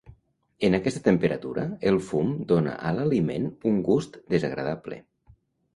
En aquesta temperatura el fum dóna a l'aliment un gust desagradable.